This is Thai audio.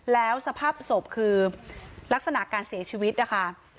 แล้วสภาพศพคือลักษณะการเสียชีวิตนะคะ